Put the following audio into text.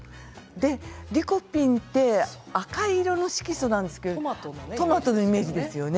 リコピンは赤色の色素なんですけれどもトマトのイメージですよね。